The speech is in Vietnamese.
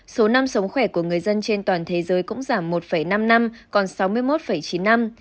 số năm sống khỏe của người dân trên toàn thế giới cũng giảm một năm năm còn sáu mươi một chín năm